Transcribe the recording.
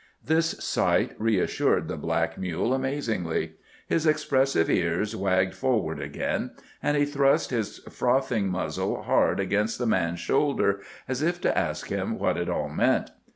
This sight reassured the black mule amazingly. His expressive ears wagged forward again, and he thrust his frothing muzzle hard against the man's shoulder, as if to ask him what it all meant.